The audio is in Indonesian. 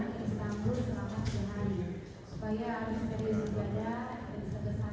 bisa saudara ceritakan sedikit intinya